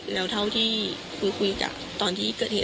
แล้วเท่าที่คือคุยกับตอนที่เกิดเหตุ